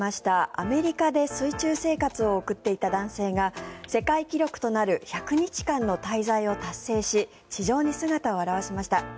アメリカで水中生活を送っていた男性が世界記録となる１００日間の滞在を達成し地上に姿を現しました。